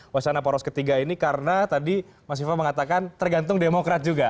wacana poros ketiga ini karena tadi mas viva mengatakan tergantung demokrat juga